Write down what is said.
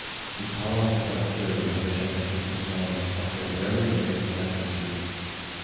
The powers of an Asuri are projected into plants offering a remedy against leprosy.